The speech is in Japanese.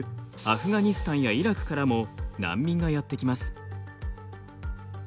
アフガニスタンやイラクからも難民がやって来ます。